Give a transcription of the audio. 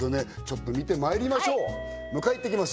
ちょっと見てまいりましょう迎え行ってきます